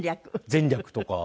「前略」とか。